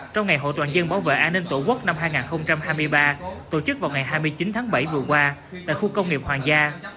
trong ngày hội toàn dân bảo vệ an ninh tổ quốc năm hai nghìn hai mươi ba tổ chức vào ngày hai mươi chín tháng bảy vừa qua tại khu công nghiệp hoàng gia